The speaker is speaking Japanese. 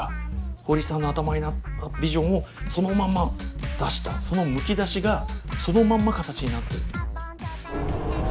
堀さんの頭のビジョンをそのまま出したそのむき出しがそのまんま形になってる。